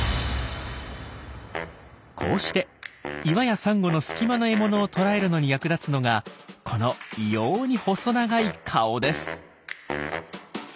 こうして岩やサンゴの隙間の獲物を捕らえるのに役立つのがこの異様に細長い顔です。